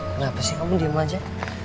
kenapa sih kamu diem aja